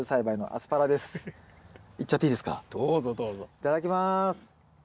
いただきます。